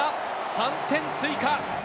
３点追加。